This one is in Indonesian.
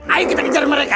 ayo kita kejar mereka